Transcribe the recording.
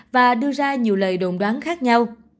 và đưa ra nhiều lời đồn đoán khác nhau